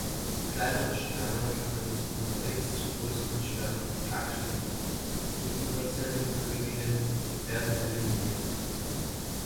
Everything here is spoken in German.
Kleinere Schwärme können unterwegs zu großen Schwärmen aggregieren, die überzähligen Königinnen werden eliminiert.